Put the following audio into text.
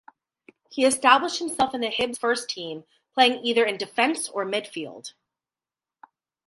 He established himself in the Hibs first team, playing either in defence or midfield.